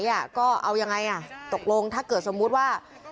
เห็นไหมมันเป็นคนท้า